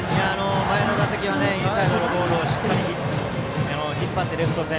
前の打席はインサイドのボールをしっかり引っ張ってレフト線。